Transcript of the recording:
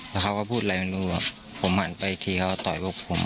แล้วเขาก็พูดอะไรไม่รู้ครับผมหันไปอีกทีเขาต่อยพวกผม